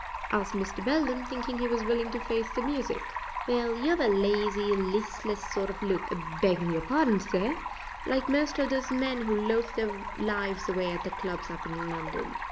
asked Mr. Belden, thinking he was willing to face the music. "Well, you 'ave a lazy, listless sort of look begging your pardon, sir like most of those men who loaf their lives away at the clubs up in London."